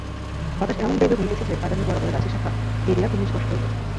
বাতাস এমন বেগে বহিতেছে যে, বাগানের বড় বড় গাছের শাখা হেলিয়া ভূমিস্পর্শ করিতেছে।